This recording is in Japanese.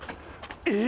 え！